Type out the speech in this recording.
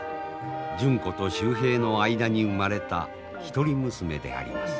純子と秀平の間に生まれた一人娘であります。